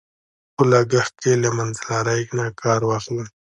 په لګښت کې له منځلارۍ نه کار واخله.